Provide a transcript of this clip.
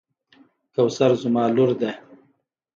کوثر زما لور ده.